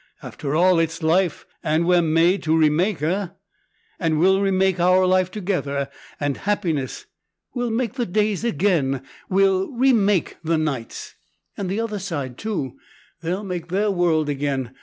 After all, it's life, and we're made to remake, eh? And we'll remake our life together, and happiness. We'll make the days again; we'll remake the nights. "And the other side, too. They'll make their world again.